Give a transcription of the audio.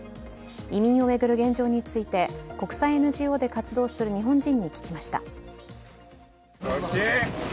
移民を巡る現状について、国際ＮＧＯで活動する日本人に聞きました。